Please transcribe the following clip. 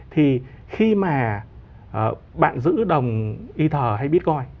thì khi mà bạn giữ đồng ether hay bitcoin